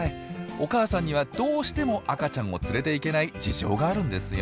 お母さんにはどうしても赤ちゃんを連れていけない事情があるんですよ。